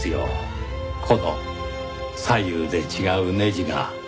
この左右で違うネジが。